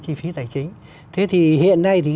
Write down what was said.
chi phí tài chính thế thì hiện nay thì